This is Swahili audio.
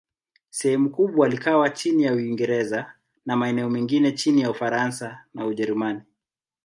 Sehemu kubwa likawa chini ya Uingereza, na maeneo mengine chini ya Ufaransa na Ujerumani.